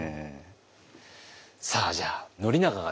さあじゃあ宣長がですね